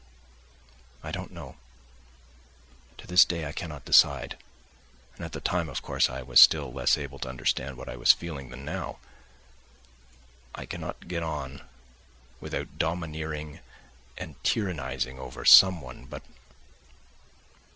I don't know, to this day I cannot decide, and at the time, of course, I was still less able to understand what I was feeling than now. I cannot get on without domineering and tyrannising over someone, but